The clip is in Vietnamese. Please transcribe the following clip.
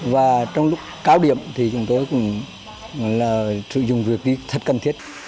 và trong lúc cao điểm thì chúng tôi cũng sử dụng việc đi thật cần thiết